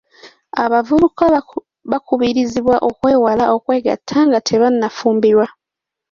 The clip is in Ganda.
Abavubuka bakubirizibwa okwewala okwegatta nga tebannafumbirwa.